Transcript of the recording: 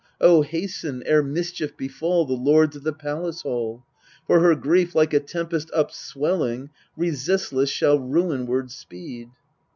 O hasten, ere mischief befall The lords of the palace hall ! For her grief, like a tempest upswelling, Resistless shall ruinward speed.